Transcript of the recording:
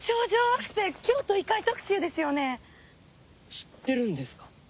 知ってるんですか？